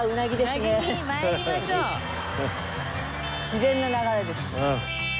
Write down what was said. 自然な流れです。ああ。